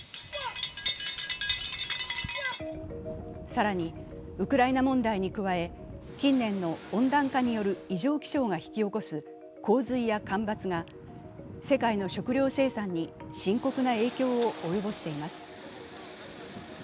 更に、ウクライナ問題に加え近年の温暖化による異常気象が引き起こす洪水や干ばつが世界の食料生産に深刻な影響を及ぼしています。